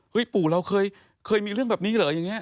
ปู่เราเคยมีเรื่องแบบนี้เหรออย่างนี้